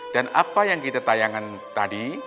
dan apa yang kita tayangan tadi